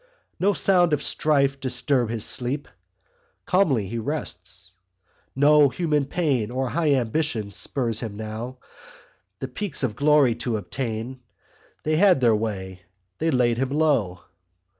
No sound of strife disturb his sleep! Calmly he rests: no human pain Or high ambition spurs him now The peaks of glory to attain. They had their way: they laid him low.